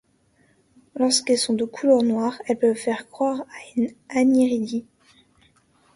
Lorsqu'elles sont de couleur noire, elles peuvent faire croire à une aniridie.